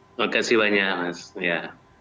terima kasih banyak mas ya